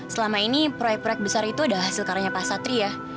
selama ini proyek proyek besar itu adalah hasil karanya pak satria